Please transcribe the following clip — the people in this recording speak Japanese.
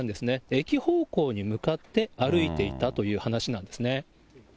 駅方向に向かって歩いていたという話なんですね。